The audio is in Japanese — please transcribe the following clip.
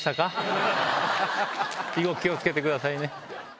以後気を付けてくださいね。